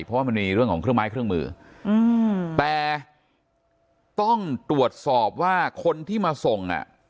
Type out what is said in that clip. เพราะว่ามันมีเรื่องของเครื่องไม้เครื่องมืออืมแต่ต้องตรวจสอบว่าคนที่มาส่งอ่ะ